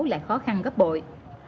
lại khó khăn gấp bội